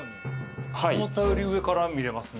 思ったより上から見れますね。